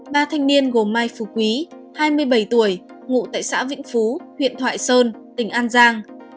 ba thanh niên gồm mai phú quý hai mươi bảy tuổi ngụ tại xã vĩnh phú huyện thoại sơn tỉnh an giang